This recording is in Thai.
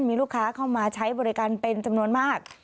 มีลูกค้าเข้ามาใช้บริการเป็นจำนวนมาก